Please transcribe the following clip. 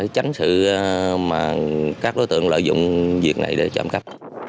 tránh sự mà các đối tượng lợi dụng việc này để trộm cắp